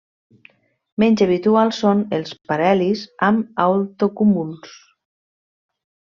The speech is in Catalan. Menys habituals són els parhelis amb altocúmuls.